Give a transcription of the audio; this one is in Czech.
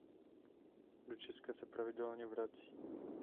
Do Česka se pravidelně vrací.